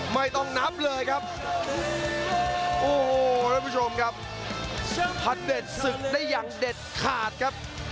ไม่ต้องนับเลยครับโอ้โหท่านผู้ชมครับพันเดชศึกได้อย่างเด็ดขาดครับ